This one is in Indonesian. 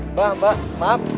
mbak mbak maaf